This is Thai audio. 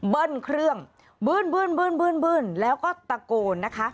เครื่องบื้นแล้วก็ตะโกนนะคะ